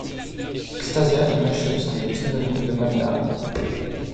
Xstasia et Mash Up sont des pseudonymes de Matt Darey.